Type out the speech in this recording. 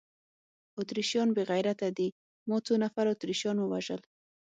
اتریشیان بې غیرته دي، ما څو نفره اتریشیان ووژل؟